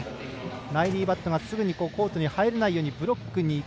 ライリー・バットがすぐにコートに入れないようにブロックにいく。